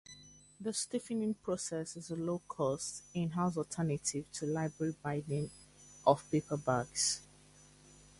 The stiffening process is a low-cost, in-house alternative to library binding of paperbacks.